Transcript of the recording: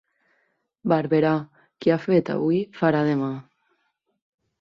Barberà, qui ha fet avui, farà demà.